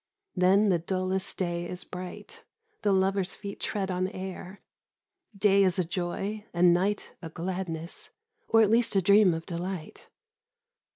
Then the dullest day is bright, the lovers' feet tread on air, day is a joy and night a gladness, or at least a dream of delight.